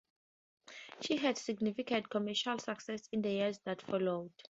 She had significant commercial success in the years that followed.